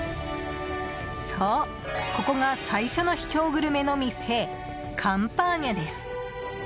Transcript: そう、ここが最初の秘境グルメの店カンパーニャです。